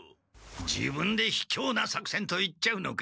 自分でひきょうなさくせんと言っちゃうのか？